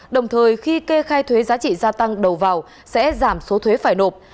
đồng thời khi kê khai thuế giá trị gia tăng đầu vào sẽ giảm số thuế phải nộp